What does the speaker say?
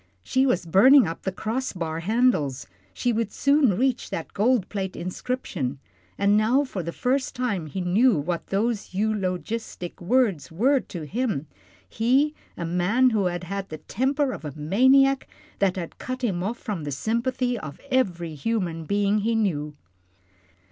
She was burning up to the cross bar handles, she would soon reach that gold plate inscription, and now for the first time he knew what those eulogistic words were to him he, a man who had had the temper of a maniac that had cut him off from the sympathy of every human being he knew.